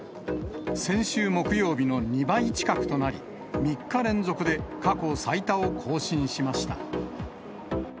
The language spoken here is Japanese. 先週木曜日の２倍近くとなり、３日連続で過去最多を更新しました。